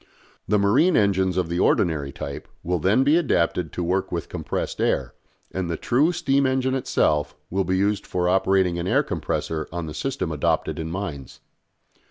The marine engines of the ordinary type will then be adapted to work with compressed air, and the true steam engine itself will be used for operating an air compressor on the system adopted in mines.